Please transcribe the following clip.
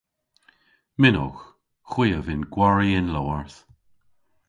Mynnowgh. Hwi a vynn gwari y'n lowarth.